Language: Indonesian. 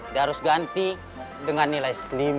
dia harus ganti dengan nilai lima sembilan ratus